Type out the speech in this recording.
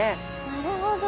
なるほど。